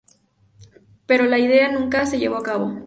Pero la idea nunca se llevó a cabo.